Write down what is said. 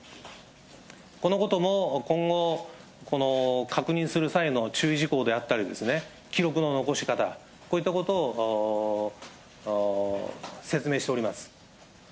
このことも今後、確認する際の注意事項であったり、記録の残し方、こういったことを説明しております。